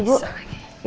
kau bisa si